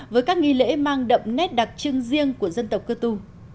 với các nghi lễ mang đậm nét đặc trưng riêng của dân tộc cơ tu